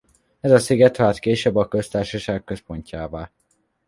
Ez a sziget vált később a köztársaság központjává.